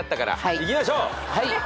いきましょう。